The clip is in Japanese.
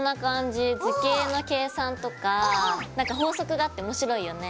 図形の計算とか何か法則があって面白いよね。